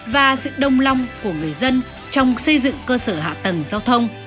và sự đông long của người dân trong xây dựng cơ sở hạ tầng giao thông